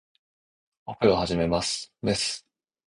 オペを始めます。メス